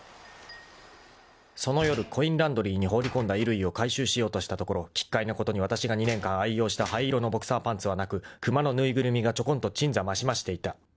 ［その夜コインランドリーに放り込んだ衣類を回収しようとしたところ奇怪なことにわたしが２年間愛用した灰色のボクサーパンツはなくクマの縫いぐるみがちょこんと鎮座ましましていた］